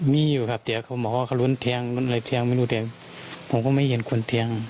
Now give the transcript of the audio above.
มีอยู่ครับเดี๋ยวเขาบอกว่าเขาร้นแทงอะไรแทงไม่รู้แต่ผมก็ไม่เห็นคนแทง